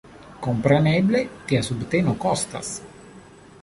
Kompreneble, tia subteno kostas.